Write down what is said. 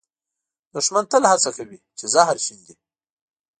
دښمن تل هڅه کوي چې زهر شیندي